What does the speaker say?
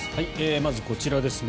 まず、こちらですね。